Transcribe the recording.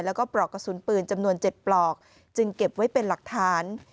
แล้วก็ปลอกกระสุนปืนจำนวน๗ปลอกจึงเก็บไว้เป็นหลักฐาน